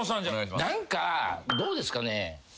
何かどうですかね